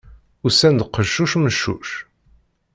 Usan-d qeccuc, meccuc.